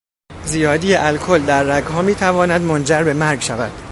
زیادی الکل در رگها میتواند منجر به مرگ شود.